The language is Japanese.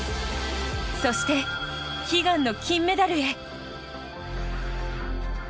そして、悲願の金メダルへ。